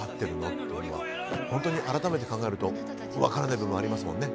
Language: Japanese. っていうのは本当に改めて考えると分からない部分ありますもんね。